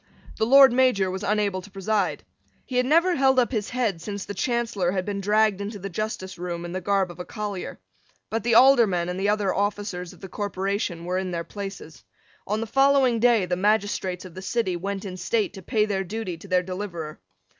The Lord Major was unable to preside. He had never held up his head since the Chancellor had been dragged into the justice room in the garb of a collier. But the Aldermen and the other officers of the corporation were in their places. On the following day the magistrates of the City went in state to pay their duty to their deliverer.